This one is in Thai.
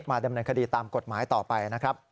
ดำเนินคดีตามกฎหมายต่อไปนะครับ